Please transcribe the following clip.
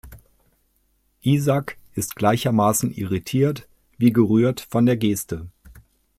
Isak ist gleichermaßen irritiert wie gerührt von der Geste.